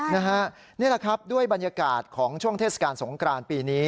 นี่แหละครับด้วยบรรยากาศของช่วงเทศกาลสงกรานปีนี้